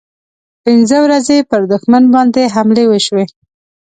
پنځه ورځې پر دښمن باندې حملې وشوې.